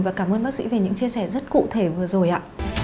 và cảm ơn bác sĩ về những chia sẻ rất cụ thể vừa rồi ạ